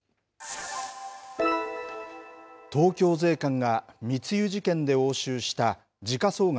東京税関が密輸事件で押収した時価総額